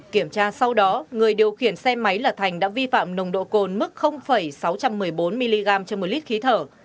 kiểm tra sau đó người điều khiển xe máy là thành đã vi phạm nồng độ cồn mức sáu trăm một mươi bốn mg trên một lít khí thở